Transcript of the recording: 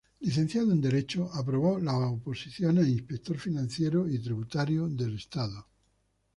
Licenciado en Derecho, aprobó las oposiciones a Inspector Financiero y Tributario del Estado.